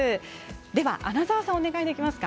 では穴澤さんお願いできますか。